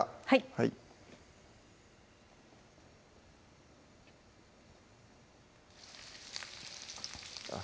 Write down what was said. はいあっ